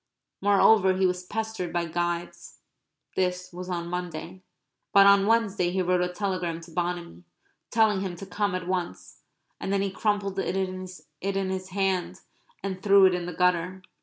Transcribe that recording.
Moreover he was pestered by guides. This was on Monday. But on Wednesday he wrote a telegram to Bonamy, telling him to come at once. And then he crumpled it in his hand and threw it in the gutter.